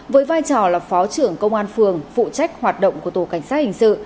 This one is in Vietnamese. với vai trò là phó trưởng công an phường phụ trách hoạt động của tổ cảnh sát hình sự